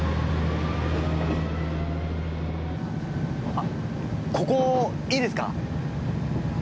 あここいいですか？